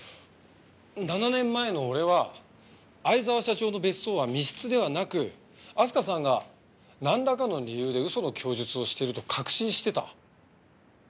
７年前の俺は逢沢社長の別荘は密室ではなく明日香さんがなんらかの理由で嘘の供述をしていると確信してた。